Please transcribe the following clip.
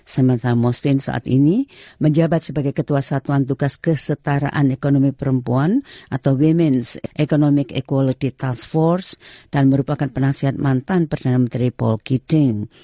samantha mostyn saat ini menjabat sebagai ketua satuan tugas kesetaraan ekonomi perempuan atau women s economic equality task force dan merupakan penasihat mantan perdana menteri paul gidding